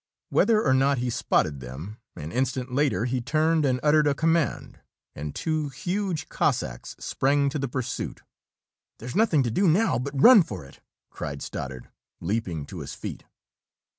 Whether or not be spotted them, an instant later he turned and uttered a command, and two huge Cossacks sprang to the pursuit. "There's nothing to do now but run for it!" cried Stoddard, leaping to his feet.